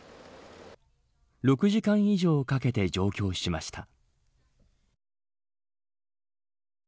６時間以上かけて上京しました。